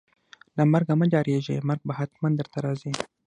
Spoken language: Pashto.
له مرګ مه ډاریږئ ، مرګ به ختمن درته راځي